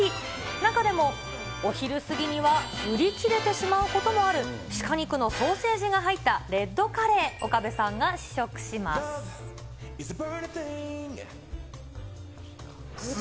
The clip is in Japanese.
中でもお昼過ぎには売り切れてしまうこともある、鹿肉のソーセージが入ったレッドカレー、岡部さんが試食します。